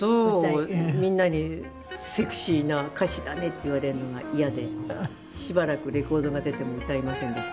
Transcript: みんなに「セクシーな歌詞だね」って言われるのが嫌でしばらくレコードが出ても歌いませんでした。